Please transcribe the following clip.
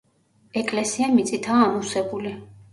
ეკლესია მიწითაა ამოვსებული.